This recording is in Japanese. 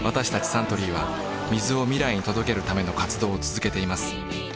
サントリーは水を未来に届けるための活動を続けています